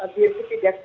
di siti dekul